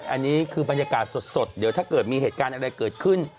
อันนี้คือบรรยากาศสดเดี๋ยวถ้าเกิดมีเหตุการณ์อะไรเกิดขึ้น